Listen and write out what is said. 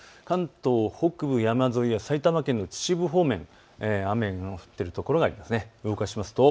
関東北部山沿いや埼玉県の秩父方面、雨が降っている所があります。